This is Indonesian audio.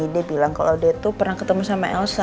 dia bilang kalau dia tuh pernah ketemu sama elsa